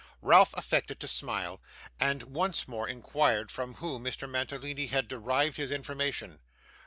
Ralph affected to smile, and once more inquired from whom Mr. Mantalini had derived his information.